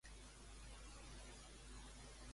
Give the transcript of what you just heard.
Què va estudiar Ochoa?